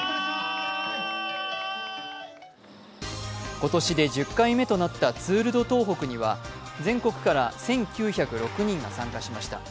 今年で１０回目となったツール・ド・東北には全国から１９０６人が参加しました。